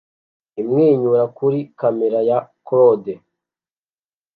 imwenyura kuri kamera ya claude